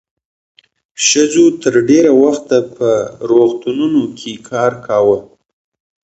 ښځو تر ډېره وخته په روغتونونو کې کار کاوه.